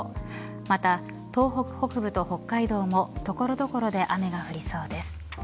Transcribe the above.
また東北北部と北海道も所々で雨が降りそうです。